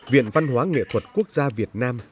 viện văn hóa nghệ thuật quốc gia việt nam